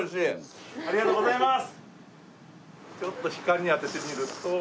ありがとうございます！